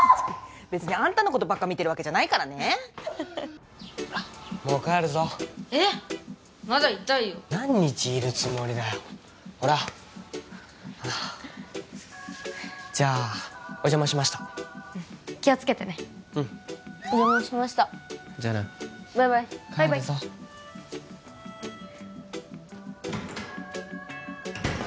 別にあんたのことばっか見てるわけじゃないからねほらもう帰るぞえっまだいたいよ何日いるつもりだよほらほらじゃあお邪魔しましたうん気をつけてねうんお邪魔しましたじゃあなバイバイ帰るぞ弟泊めてくれてありがと